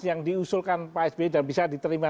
yang diusulkan pak sby dan bisa diterima